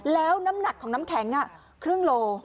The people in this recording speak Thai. แล้วน้ำหนักของน้ำแข็งครึ่งโล